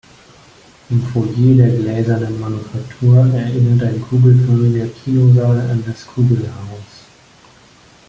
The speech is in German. Im Foyer der Gläsernen Manufaktur erinnert ein kugelförmiger Kinosaal an das Kugelhaus.